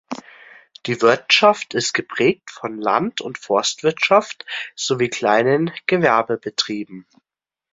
Die Wirtschaft ist geprägt von Land- und Forstwirtschaft sowie kleinen Gewerbebetrieben.